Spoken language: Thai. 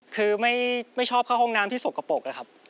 คือไม่ชอบเข้าห้องน้ำที่ศพกระปกเลยครับ